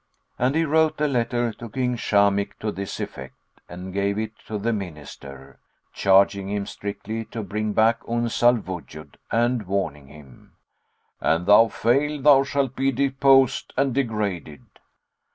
And he wrote a letter to King Shamikh to this effect, and gave it to the Minister, charging him strictly to bring back Uns al Wujud and warning him, "An thou fail thou shalt be deposed and degraded."